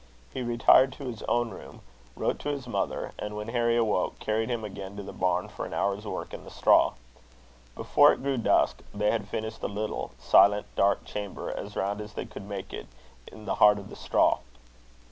He retired to his own room, wrote to his mother, and, when Harry awoke, carried him again to the barn for an hour's work in the straw. Before it grew dusk, they had finished a little, silent, dark chamber, as round as they could make it, in the heart of the straw.